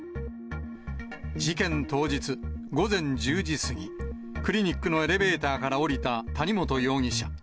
事件当日、午前１０時過ぎ、クリニックのエレベーターから降りた谷本容疑者。